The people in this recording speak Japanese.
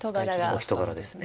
お人柄ですね。